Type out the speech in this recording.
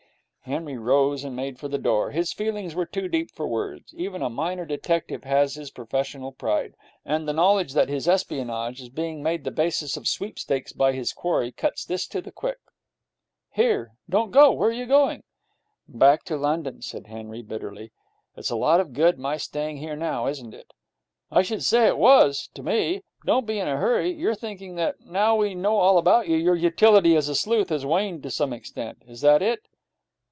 Henry rose and made for the door. His feelings were too deep for words. Even a minor detective has his professional pride; and the knowledge that his espionage is being made the basis of sweepstakes by his quarry cuts this to the quick. 'Here, don't go! Where are you going?' 'Back to London,' said Henry, bitterly. 'It's a lot of good my staying here now, isn't it?' 'I should say it was to me. Don't be in a hurry. You're thinking that, now we know all about you, your utility as a sleuth has waned to some extent. Is that it?'